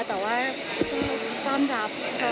แต่ว่าคือต้อนรับค่ะ